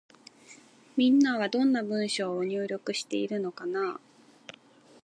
みんなは、どんな文章を入力しているのかなぁ。